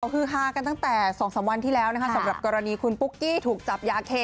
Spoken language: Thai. คือฮากันตั้งแต่๒๓วันที่แล้วนะคะสำหรับกรณีคุณปุ๊กกี้ถูกจับยาเค